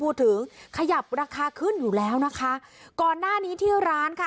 ขยับราคาขึ้นอยู่แล้วนะคะก่อนหน้านี้ที่ร้านค่ะ